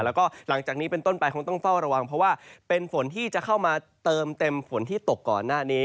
แล้วก็หลังจากนี้เป็นต้นไปคงต้องเฝ้าระวังเพราะว่าเป็นฝนที่จะเข้ามาเติมเต็มฝนที่ตกก่อนหน้านี้